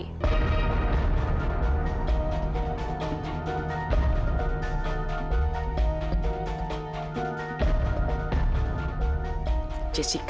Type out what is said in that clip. aku akan pergi sama reski